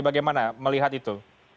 bagaimana melihat itu